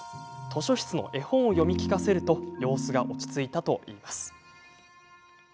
図書室の絵本を読み聞かせると様子が落ち着いたといいます。